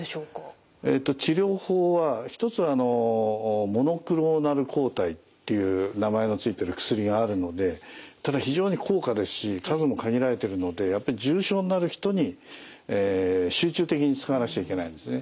治療法は一つはモノクローナル抗体っていう名前の付いてる薬があるのでただ非常に高価ですし数も限られてるのでやっぱり重症になる人に集中的に使わなくちゃいけないんですね。